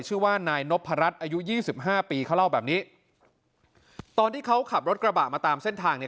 ชื่อว่านายนพรัชอายุยี่สิบห้าปีเขาเล่าแบบนี้ตอนที่เขาขับรถกระบะมาตามเส้นทางเนี่ย